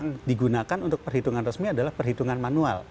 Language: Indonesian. yang digunakan untuk perhitungan resmi adalah perhitungan manual